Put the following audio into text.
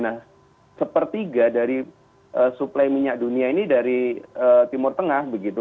nah sepertiga dari suplai minyak dunia ini dari timur tengah begitu